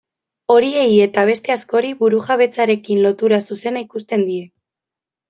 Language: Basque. Horiei eta beste askori burujabetzarekin lotura zuzena ikusten die.